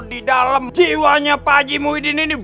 di dalam jiwanya pak haji muhyiddin ini